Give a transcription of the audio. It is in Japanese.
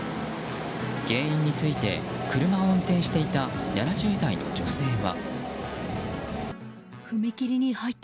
原因について、車を運転していた７０代の女性は。